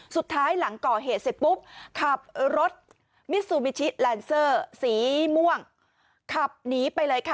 หลังก่อเหตุเสร็จปุ๊บขับรถมิซูบิชิแลนเซอร์สีม่วงขับหนีไปเลยค่ะ